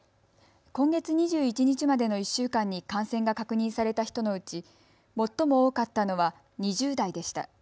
今月２１日までの１週間に感染が確認された人のうち最も多かったのは２０代でした。